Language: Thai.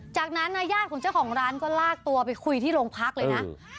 จากนั้นนายญาติของเจ้าของร้านก็ลากตัวไปคุยที่โรงพักเลยนะ